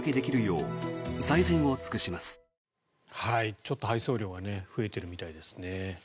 ちょっと配送量が増えているみたいですね。